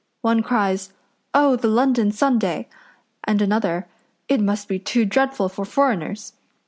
One cries, 'Oh, the London Sunday!' and another, 'It must be too dreadful for foreigners!'